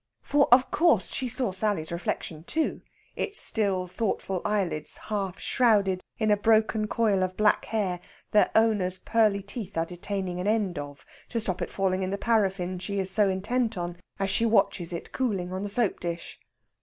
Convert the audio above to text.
For, of course, she saw Sally's reflection, too, its still thoughtful eyelids half shrouded in a broken coil of black hair their owner's pearly teeth are detaining an end of, to stop it falling in the paraffin she is so intent on, as she watches it cooling on the soap dish.